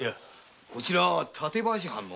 こちらは館林藩の。